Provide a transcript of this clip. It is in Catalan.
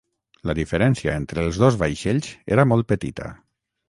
La diferència entre els dos vaixells era molt petita.